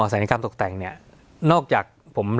สวัสดีครับทุกผู้ชม